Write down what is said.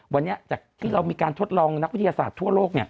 วันนี้จากที่เรามีการทดลองนักวิทยาศาสตร์ทั่วโลก